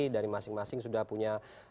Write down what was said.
dari masing masing sudah punya